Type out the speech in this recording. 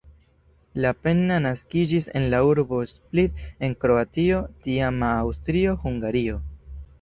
Lapenna naskiĝis en la urbo Split en Kroatio, tiama Aŭstrio-Hungario.